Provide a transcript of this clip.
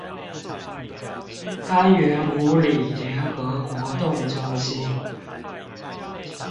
柑園五里聯合活動中心